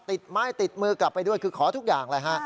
ติดไม้ติดมือกลับไปด้วยคือขอทุกอย่างเลยฮะ